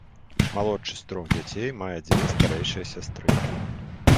Малодшы з трох дзяцей, мае дзве старэйшыя сястры.